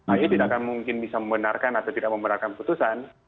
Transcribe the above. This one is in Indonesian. ahy tidak akan mungkin bisa membenarkan atau tidak membenarkan putusan